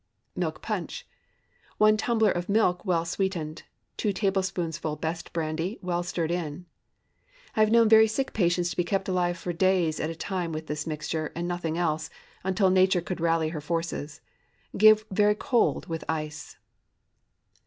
MILK PUNCH. ✠ 1 tumbler of milk, well sweetened. 2 tablespoonfuls best brandy, well stirred in. I have known very sick patients to be kept alive for days at a time by this mixture, and nothing else, until Nature could rally her forces. Give very cold with ice.